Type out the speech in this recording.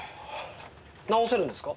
直せるんですか？